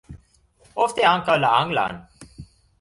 Ofte ankaŭ la anglan.